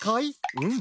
うん！